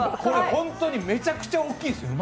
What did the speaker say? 本当にめちゃくちゃ大きいんですよ。